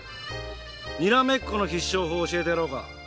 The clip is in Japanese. にらめっこの必勝法教えてやろうか？